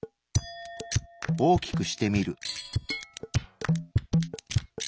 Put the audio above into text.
大きくしてみる。